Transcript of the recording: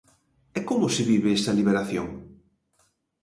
E como se vive esa liberación?